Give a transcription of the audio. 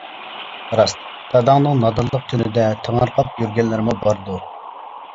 راست، داداڭنىڭ نادانلىق تۈنىدە تېڭىرقاپ يۈرگەنلىرىمۇ باردۇ.